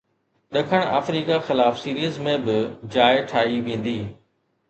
ڏکڻ آفريڪا خلاف سيريز ۾ به جاءِ ٺاهي ويندي